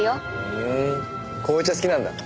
ふん紅茶好きなんだ。